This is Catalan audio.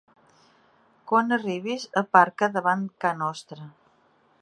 Quan arribis aparca davant ca nostra